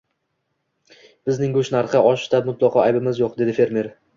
Bizning go`sht narxi oshishida mutlaqo aybimiz yo`q, dedi fermer